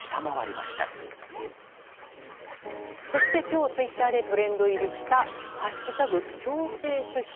そして今日ツイッターでトレンド入りした「＃強制出社」。